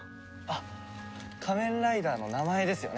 あっ仮面ライダーの名前ですよね。